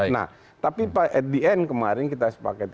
nah tapi pak at the end kemarin kita sepaket